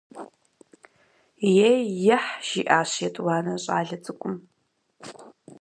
- Ей–ехь, - жиӏащ етӏуанэ щӏалэ цӏыкӏум.